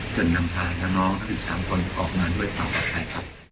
จนนำพาทางน้อง๑๓คนออกมาด้วยปลอดภัย